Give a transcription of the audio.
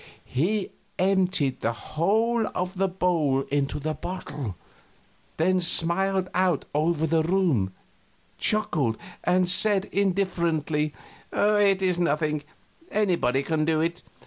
He emptied the whole of the bowl into the bottle, then smiled out over the room, chuckled, and said, indifferently: "It is nothing anybody can do it!